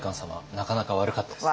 なかなか悪かったですね。